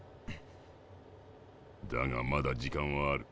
だがまだ時間はある。